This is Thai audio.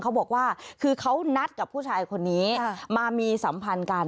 เขาบอกว่าคือเขานัดกับผู้ชายคนนี้มามีสัมพันธ์กัน